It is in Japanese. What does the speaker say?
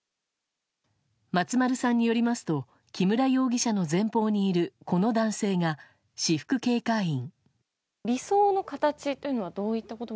松丸さんによりますと木村容疑者の前方にいるこの男性が私服警戒員。